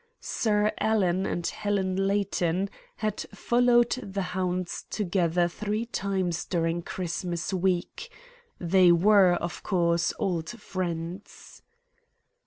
Sir Alan and Helen Layton had followed the hounds together three times during Christmas week. They were, of course, old friends.